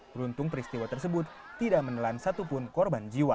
beruntung peristiwa tersebut tidak menelan satupun korban jiwa